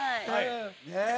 ねえ。